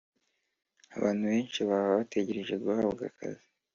abantu benshi baba bategereje guhabwa akazi